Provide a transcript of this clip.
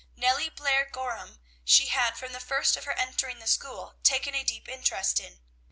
Nellie Blair Gorham she had from the first of her entering the school taken a deep interest in.